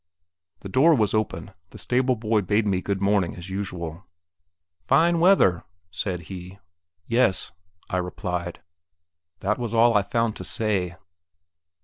The door was open; the stable boy bade me good morning as usual. "Fine weather," said he. "Yes," I replied. That was all I found to say.